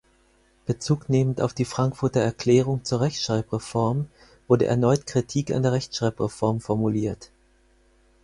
Bezugnehmend auf die Frankfurter Erklärung zur Rechtschreibreform wurde erneut Kritik an der Rechtschreibreform formuliert.